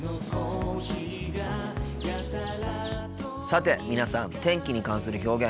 さて皆さん天気に関する表現